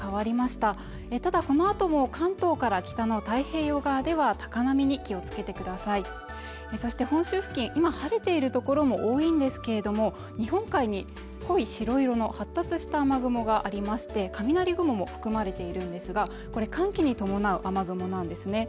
ただこのあとも関東から北の太平洋側では高波に気をつけてくださいそして本州付近今晴れている所も多いんですけれども日本海に濃い白色の発達した雨雲がありまして雷雲も含まれているんですがこれ寒気に伴う雨雲なんですねえ